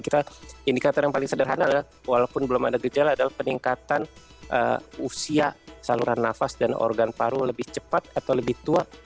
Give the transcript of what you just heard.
kita indikator yang paling sederhana adalah walaupun belum ada gejala adalah peningkatan usia saluran nafas dan organ paru lebih cepat atau lebih tua